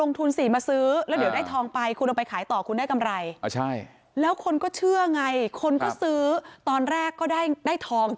สลึงหนึ่ง๕๐๐๐กว่าบาท